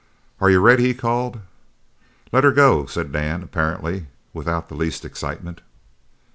"Are you ready?" he called. "Let her go!" said Dan, apparently without the least excitement.